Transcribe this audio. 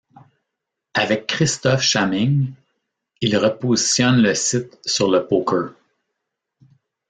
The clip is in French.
Avec Christophe Schaming, ils repositionnent le site sur le poker.